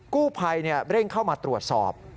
กู้ภัยเร่งเข้ามาตรวจสอบ